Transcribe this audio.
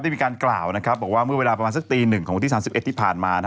มีการกล่าวนะครับบอกว่าเมื่อเวลาประมาณสักตีหนึ่งของวันที่๓๑ที่ผ่านมา